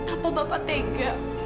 apa bapak tega